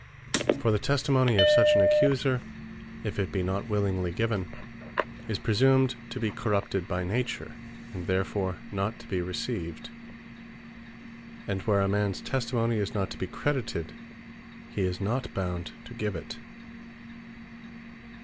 For the Testimony of such an Accuser, if it be not willingly given, is praesumed to be corrupted by Nature; and therefore not to be received: and where a mans Testimony is not to be credited, his not bound to give it.